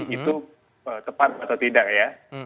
itu tepat atau tidak ya